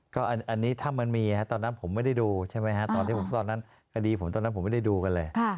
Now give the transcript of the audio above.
ก็อันนี้ถ้ามันมีตอนนั้นผมไม่ได้ดูใช่ไหมฮะตอนที่ผมตอนนั้นคดีผมตอนนั้นผมไม่ได้ดูกันเลย